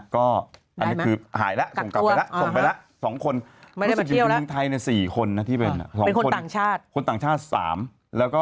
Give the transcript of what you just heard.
ก็อันนั่นคือหายแล้วส่งไปแล้ว๒คนลูกถุงจีนทำเที่ยวนะ